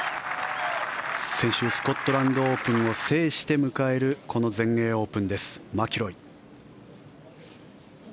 先週スコットランドオープンを制して迎えるこの全英オープンですマキロイ。